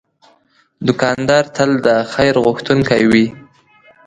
دوکاندار تل د خیر غوښتونکی وي.